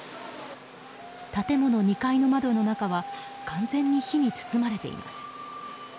建物２階の窓の中は完全に火に包まれています。